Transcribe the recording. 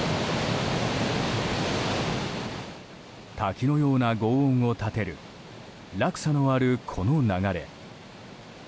滝のような轟音を立てる落差のあるこの流れ。